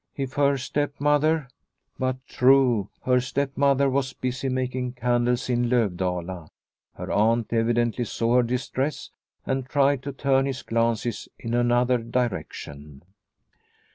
If her stepmother But true ! Her stepmother was busy making candles in Lovdala. Her aunt evidently saw her dis 148 Liliecrona's Home tress and tried to turn his glances in another direction.